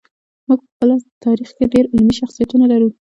موږ په خپل تاریخ کې ډېر علمي شخصیتونه لرو.